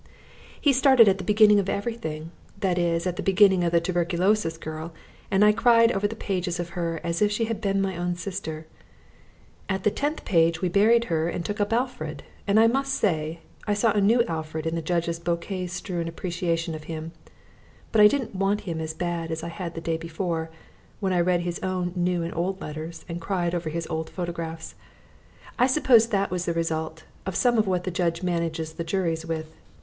He started at the beginning of everything, that is at the beginning of the tuberculosis girl, and I cried over the pages of her as if she had been my own sister. At the tenth page we buried her and took up Alfred, and I must say I saw a new Alfred in the judge's bouquet strewn appreciation of him, but I didn't want him as bad as I had the day before, when I read his own new and old letters, and cried over his old photographs. I suppose that was the result of some of what the judge manages the juries with.